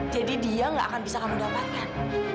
jadi dia nggak akan bisa kamu dapatkan